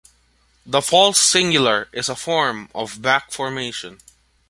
The false singular is a form of back-formation.